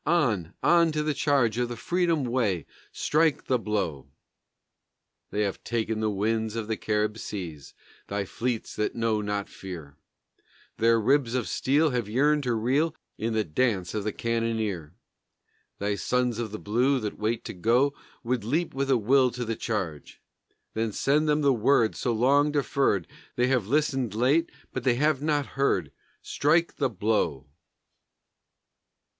On, on, to the charge of the freedom way, Strike the blow! They have ta'en the winds of the Carib seas, Thy fleets that know not fear; Their ribs of steel have yearned to reel In the dance of the cannoneer. Thy sons of the blue That wait to go Would leap with a will to the charge, Then send them the word so long deferred; They have listened late, but they have not heard; Strike the blow!